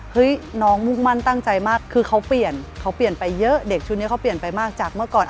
น้องมุ่งมั่นตั้งใจมากคือเขาเปลี่ยนเขาเปลี่ยนไปเยอะเด็กชุดนี้เขาเปลี่ยนไปมากจากเมื่อก่อน